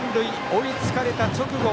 追いつかれた直後。